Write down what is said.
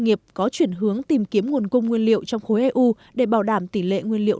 nghiệp có chuyển hướng tìm kiếm nguồn cung nguyên liệu trong khối eu để bảo đảm tỷ lệ nguyên liệu